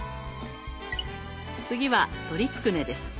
次は鶏つくねです。